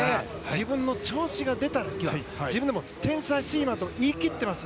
自分の調子が出た時は自分でも天才スイマーと言い切っています。